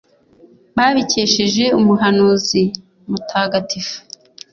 babikesheje umuhanuzi mutagatifu